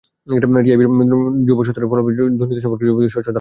টিআইবির যুব সততার জরিপের ফলাফলে বলা হয়, দুর্নীতি সম্পর্কে যুবকদের স্বচ্ছ ধারণা আছে।